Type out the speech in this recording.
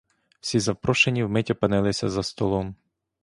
Всі запрошені вмить опинилися за столом.